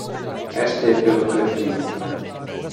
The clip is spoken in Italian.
Essi ebbero tre figli.